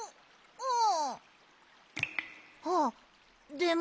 うん。